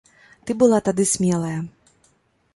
Ты была тады смелая.